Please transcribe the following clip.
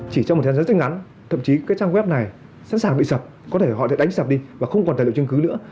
chỉ trong một thế giới rất ngắn thậm chí cái trang web này sẵn sàng bị sập có thể họ sẽ đánh sập đi và không còn tài liệu chứng cứ nữa